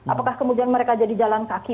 apakah kemudian mereka jadi jalan kaki